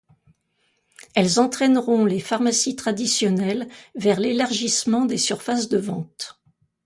Elles entraîneront les pharmacies traditionnelles vers l’élargissement des surfaces de vente.